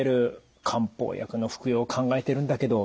漢方薬の服用を考えてるんだけど。